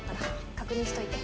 確認しといて。